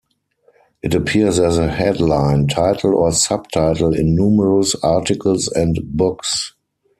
It appears as a headline, title or sub-title in numerous articles and books.